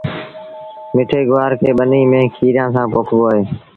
مٺي گُوآر کي ٻنيٚ ميݩ کيريآݩ تي پوکبو اهي